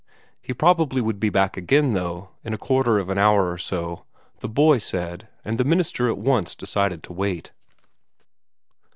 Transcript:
He probably would be back again, though, in a quarter of an hour or so, the boy said, and the minister at once decided to wait.